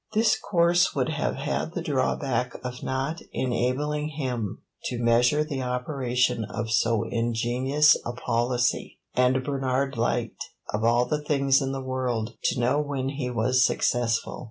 This course would have had the drawback of not enabling him to measure the operation of so ingenious a policy, and Bernard liked, of all the things in the world, to know when he was successful.